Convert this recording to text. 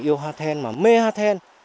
yêu hoa then mà mê hoa then